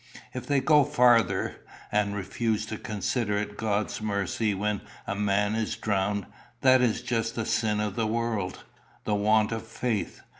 If they go farther, and refuse to consider it God's mercy when a man is drowned, that is just the sin of the world the want of faith.